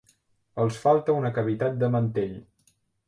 Els falta una cavitat de mantell.